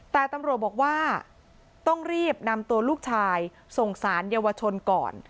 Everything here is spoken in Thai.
แต่ตำรวจบอกว่าต้องรีบนำตัวลูกชายส่งสารเยาวชนก่อน